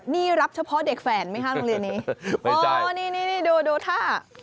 นี่รับเฉพาะเด็กแฝนไหมครับโรงเรียนนี้โอ้โหนี่ดูท่า